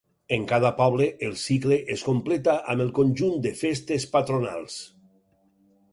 En cada poble el cicle es completa amb el conjunt de festes patronals.